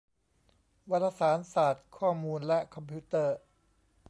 วารสารศาสตร์ ข้อมูล และคอมพิวเตอร์